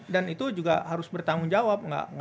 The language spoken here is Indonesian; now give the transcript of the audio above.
dan itu juga harus bertanggung jawab